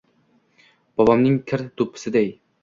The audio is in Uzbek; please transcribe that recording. Bobomning kir doʼppisiday